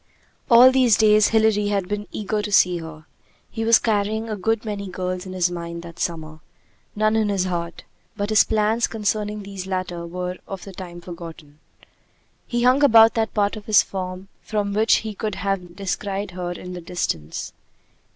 All these days Hilary had been eager to see her. He was carrying a good many girls in his mind that summer; none in his heart; but his plans concerning these latter were for the time forgotten. He hung about that part of his farm from which he could have descried her in the distance.